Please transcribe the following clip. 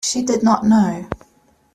She did not know.